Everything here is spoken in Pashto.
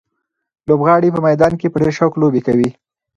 لوبغاړي په میدان کې په ډېر شوق لوبې کوي.